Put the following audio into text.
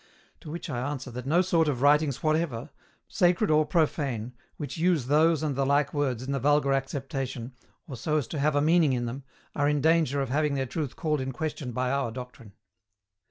To which I answer that no sort of writings whatever, sacred or profane, which use those and the like words in the vulgar acceptation, or so as to have a meaning in them, are in danger of having their truth called in question by our doctrine.